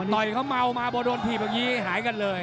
ต่อยเขาเมามาพอโดนถีบอย่างนี้หายกันเลย